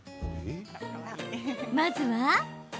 まずは。